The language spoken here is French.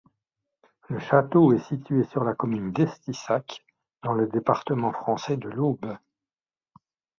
Le château est situé sur la commune d'Estissac, dans le département français de l'Aube.